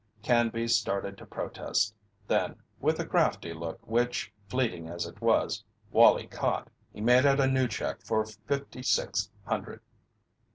Canby started to protest, then, with a crafty look which, fleeting as it was, Wallie caught, he made out a new check for fifty six hundred.